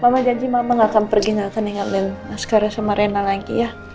mama janji mama gak akan pergi gak akan ingatin askar sama rena lagi ya